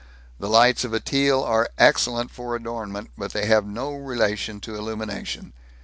The lights of a Teal are excellent for adornment, but they have no relation to illumination.